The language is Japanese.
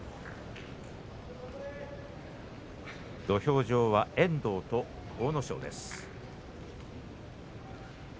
土俵上は遠藤と阿武咲。